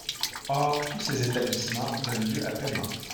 Or tous ces établissements donnent lieu à paiement.